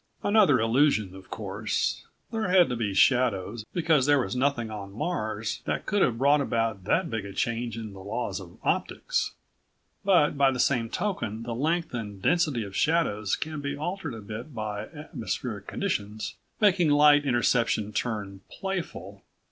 Another illusion, of course. There had to be shadows, because there was nothing on Mars that could have brought about that big a change in the laws of optics. But by the same token the length and density of shadows can be altered a bit by atmospheric conditions, making light interception turn playful.